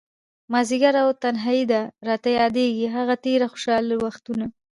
مازديګری او تنهائي ده، راته ياديږي هغه تير خوشحال وختونه